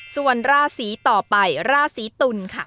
ส่วนราศีต่อไปราศีตุลค่ะ